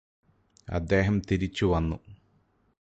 അദ്ദേഹം തിരിച്ച് വന്നു